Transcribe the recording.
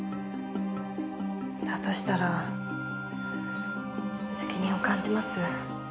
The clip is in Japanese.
だとしたら責任を感じます。